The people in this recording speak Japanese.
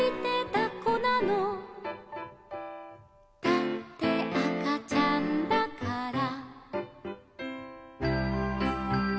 「だってあかちゃんだから」